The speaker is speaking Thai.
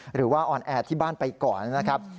หรือว่าออนแอร์ที่บ้านไปก่อนนะครับ